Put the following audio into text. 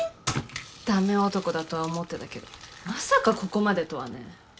駄目男だとは思ってたけどまさかここまでとはね。